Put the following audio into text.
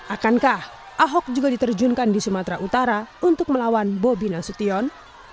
akankah ahok juga diterjunkan di sumatera utara untuk melawan bobi nasution